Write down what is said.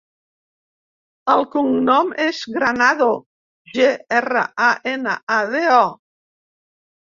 El cognom és Granado: ge, erra, a, ena, a, de, o.